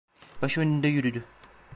Başı önünde yürüdü.